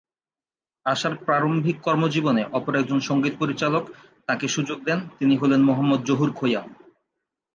আশার প্রারম্ভিক কর্মজীবনে অপর একজন সঙ্গীত পরিচালক তাঁকে সুযোগ দেন, তিনি হলেন মোহাম্মদ জহুর খৈয়াম।